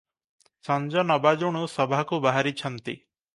ସଞ୍ଜ ନ ବାଜୁଣୁ ସଭାକୁ ବାହାରିଛନ୍ତି ।